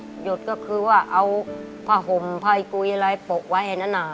หยดก็คือว่าเอาผาห่มไพกุยอะไรปกไว้ให้นานา